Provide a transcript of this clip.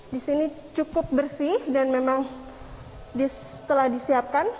di sini cukup bersih dan memang telah disiapkan